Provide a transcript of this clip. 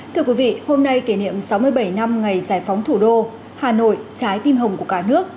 thưa quý vị hôm nay kỷ niệm sáu mươi bảy năm ngày giải phóng thủ đô hà nội trái tim hồng của cả nước